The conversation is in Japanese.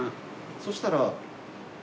そうしたら。